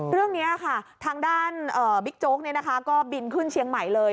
เรื่องนี้ค่ะทางด้านบิ๊กโจ๊กก็บินขึ้นเชียงใหม่เลย